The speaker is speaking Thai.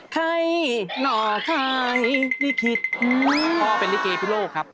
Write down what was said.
ใครหน่อใครนี่คิดอืมอ๋อเป็นริเกย์พิโลกครับ